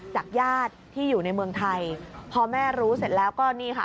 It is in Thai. จากญาติที่อยู่ในเมืองไทยพอแม่รู้เสร็จแล้วก็นี่ค่ะ